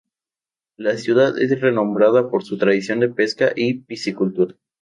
La ciudad es renombrada por su tradición de pesca y piscicultura.